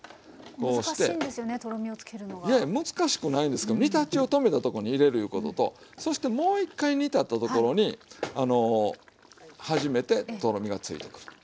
難しくないですから煮立ちを止めたとこに入れるいうこととそしてもう一回煮立ったところに初めてとろみがついてくる。